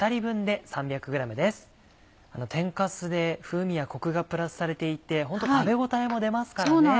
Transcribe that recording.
天かすで風味やコクがプラスされていて本当食べ応えも出ますからね。